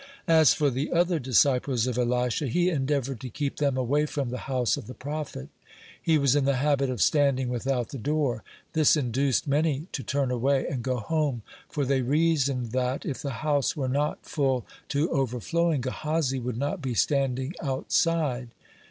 As for the other disciples of Elisha, he endeavored to keep them away from the house of the prophet. He was in the habit of standing without the door. This induced many to turn away and go home, for they reasoned that, if the house were not full to overflowing, Gehazi would not be standing outside.